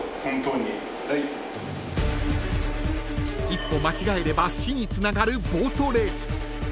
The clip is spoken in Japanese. ［一歩間違えれば死につながるボートレース］